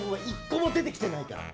１個も出て来てないから。